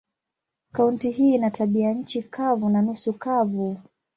Kaunti hii ina tabianchi kavu na nusu kavu.